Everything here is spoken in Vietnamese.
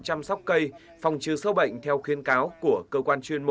chăm sóc cây phòng trừ sâu bệnh theo khuyên cáo của cơ quan chuyên môn